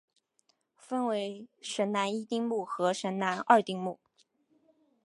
分为神南一丁目与神南二丁目。